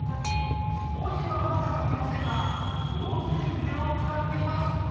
文字は、まだ書けませんが、上手に筆を使っています。